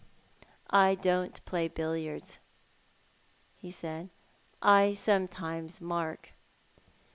"I don't play billiards," he said ;" I sometimes mark."